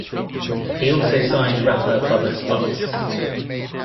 He also signed rapper Bubba Sparxxx.